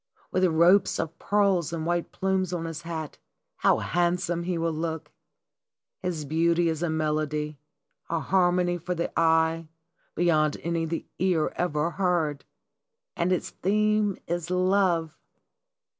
With ropes of pearls and white plumes on his hat, how handsome he will look! His beauty is a melody, a harmony for the eye beyond any the ear ever heard ! And its theme is Love